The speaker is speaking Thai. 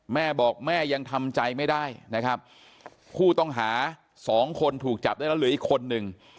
แม่บอกแม่ยังทำใจไม่ได้นะครับผู้ต้องหาสองคนถูกจับได้แล้วเหลืออีกคนนึง